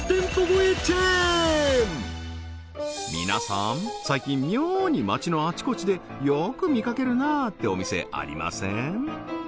皆さん最近妙に街のあちこちでよく見かけるなってお店ありません？